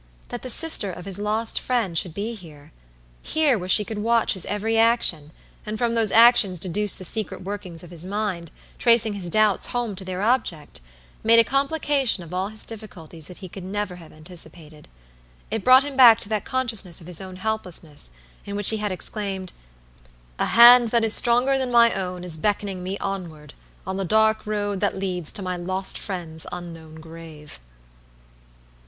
That the sister of his lost friend should be herehere where she could watch his every action, and from those actions deduce the secret workings of his mind, tracing his doubts home to their object, made a complication of his difficulties that he could never have anticipated. It brought him back to that consciousness of his own helplessness, in which he had exclaimed: "A hand that is stronger than my own is beckoning me onward on the dark road that leads to my lost friend's unknown grave."